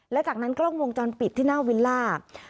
และจากนั้นกล้องวงจรปิดที่หน้าวิลล่า